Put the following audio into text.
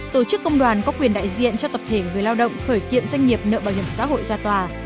tổ chức công đoàn có quyền đại diện cho tập thể người lao động khởi kiện doanh nghiệp nợ bảo hiểm xã hội ra tòa